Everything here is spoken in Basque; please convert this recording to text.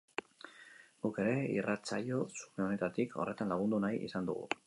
Guk ere irratsaio xume honetatik horretan lagundu nahi izan dugu.